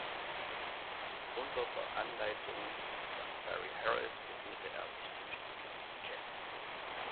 Unter der Anleitung von Barry Harris widmete er sich dem Studium des Jazz.